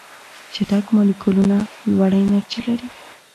چټک مالیکولونه لوړه انرژي لري.